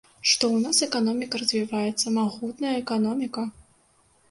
Што ў нас эканоміка развіваецца, магутная эканоміка!